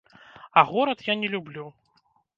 А горад я не люблю.